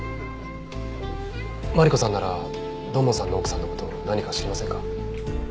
マリコさんなら土門さんの奥さんの事何か知りませんか？